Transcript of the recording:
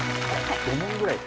５問ぐらい。